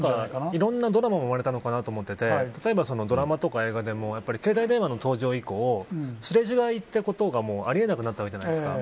いろんなドラマも生まれたのかなと思ってて例えば、ドラマや映画でも携帯電話の登場以降すれ違いということがあり得なくなったじゃないですか。